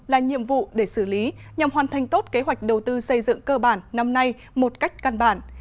là nhiệm vụ để xử lý nhằm hoàn thành tốt kế hoạch đầu tư xây dựng cơ bản năm nay một cách căn bản